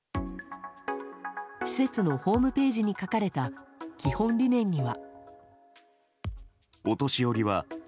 施設のホームページに書かれた基本理念には。